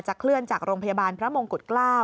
เคลื่อนจากโรงพยาบาลพระมงกุฎเกล้า